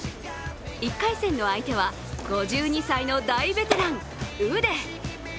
１回戦の相手は、５２歳の大ベテラン・ウデ。